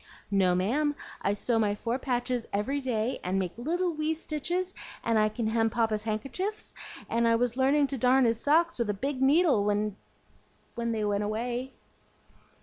"No, ma'am, I sew my four patches every day, and make little wee stitches, and I can hem Papa's hank'chifs, and I was learning to darn his socks with a big needle when when they went away."